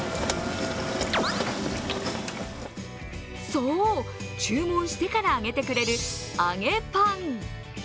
そう、注文してから揚げてくれるあげぱん。